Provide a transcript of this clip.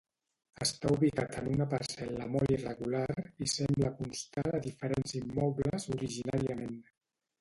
Està ubicat en una parcel·la molt irregular i sembla constar de diferents immobles originàriament.